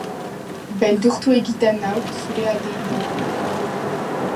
Beldurtu egiten nau zure alde ilunak.